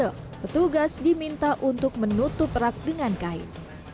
tetapi juga petugas diminta untuk menutup rak dengan kain